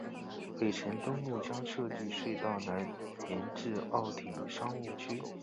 北辰东路将设置隧道南延至奥体商务区。